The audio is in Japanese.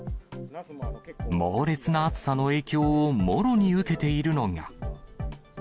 猛烈な暑さの影響をもろに受けているのが。